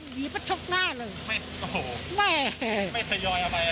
หรือป่าชกหน้าเลย